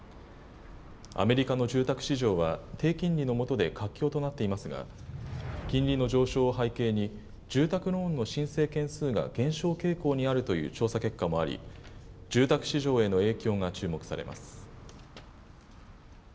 アメリカの住宅市場は低金利のもとで活況となっていますが金利の上昇を背景に住宅ローンの申請件数が減少傾向にあるという調査結果もあり住宅市場への影響が注目されます。